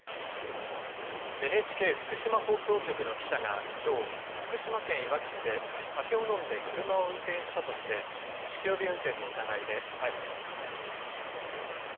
ＮＨＫ福島放送局の記者がきょう福島県いわき市で酒を飲んで車を運転したとして酒気帯び運転の疑いで逮捕されました。